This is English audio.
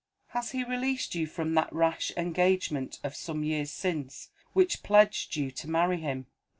"Has he released you from that rash engagement, of some years since, which pledged you to marry him?"